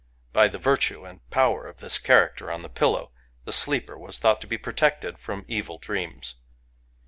By the virtue and power of this character on the pillow, the sleeper was thought to be protected from evil dreams.